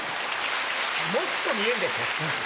もっと見えるでしょ。